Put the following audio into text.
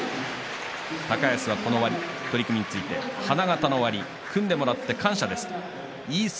高安は、この取組について花形の割、組んでもらって感謝ですと言っていました。